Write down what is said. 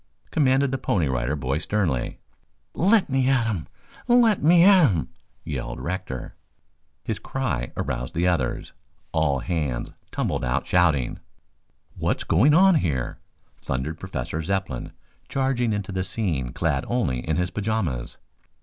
commanded the Pony Rider Boy sternly. "Let me at him, let me at him!" yelled Rector. His cry aroused the others. All hands tumbled out shouting. "What's going on here?" thundered Professor Zepplin, charging into the scene clad only in his pajamas.